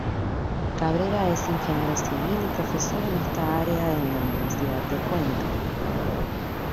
Cabrera es ingeniero civil y profesor en esta área en la Universidad de Cuenca.